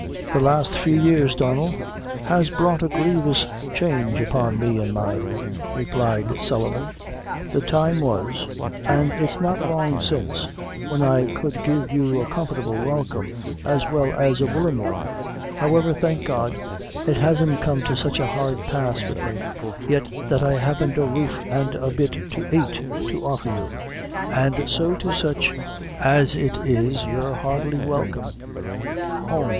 "The last few years, Donnel, has brought a grievous change, upon me and mine," replied Sullivan. "The time was, an' it's not long since, when I could give you a comfortable welcome as well as a willin' one; however, thank God, it isn't come to sich a hard pass wid me yet that I haven't a roof an' a bit to ait to offer you; an' so to sich as it is you're heartily welcome. Home!